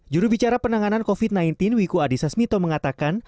jurubicara penanganan covid sembilan belas wiku adhisa smito mengatakan